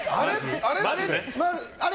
あれ？